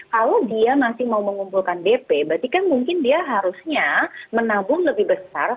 kalau dia masih mau mengumpulkan dp berarti kan mungkin dia harusnya menabung lebih besar